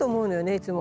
いつも。